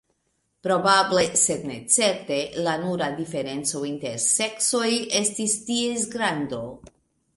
Probable, sed ne certe, la nura diferenco inter seksoj estis ties grando.